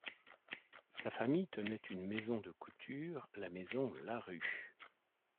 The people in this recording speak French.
Sa famille tenait une maison de couture, la maison Larue.